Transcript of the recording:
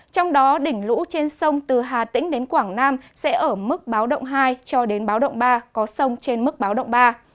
trong đó đỉnh lũ trên sông từ hà tĩnh đến quảng nam sẽ ở mức báo động hai cho đến báo động ba có sông trên mức báo động ba